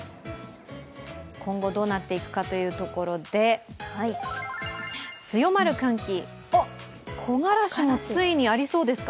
今後、どうなっていくかというところで、強まる寒気、おっ、木枯らしもついにありそうですか？